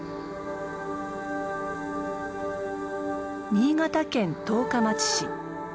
新潟県十日町市。